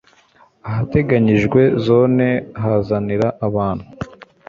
ahateganyijwe zone hazanira abantu